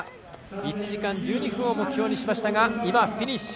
１時間１２分を目標にしましたがフィニッシュ。